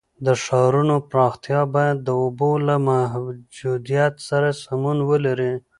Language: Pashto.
د ښارونو پراختیا باید د اوبو له موجودیت سره سمون ولري.